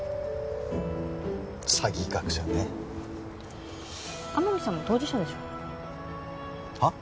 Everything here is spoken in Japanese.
詐欺学者ね天海さんも当事者でしょはっ？